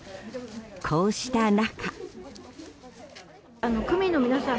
こうした中。